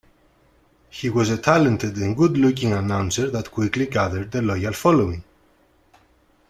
He was a talented and good-looking announcer that quickly gathered a loyal following.